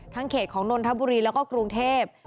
เขตของนนทบุรีแล้วก็กรุงเทพ